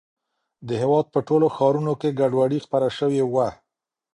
د هېواد په ټولو ښارونو کې ګډوډي خپره شوې وه.